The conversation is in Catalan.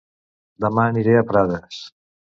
Dema aniré a Prades